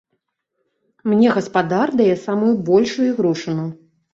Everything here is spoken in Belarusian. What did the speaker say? Мне гаспадар дае самую большую ігрушыну.